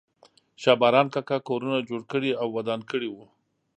شا باران کاکا کورونه جوړ کړي او ودان کړي وو.